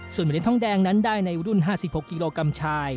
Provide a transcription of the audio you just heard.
ส่วนเหรียญทองแดงนั้นได้ในรุ่น๕๖กิโลกรัมชาย